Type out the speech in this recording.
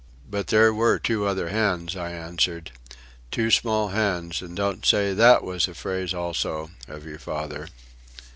"But there were two other hands," I answered. "Two small hands, and don't say that was a phrase, also, of your father."